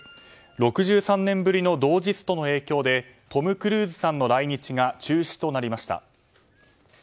６３年ぶりの同時ストの影響でトム・クルーズさんの来日が中止となりました。